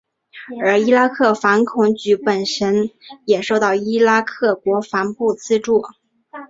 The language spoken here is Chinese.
而伊拉克反恐局本身也受到伊拉克国防部资助。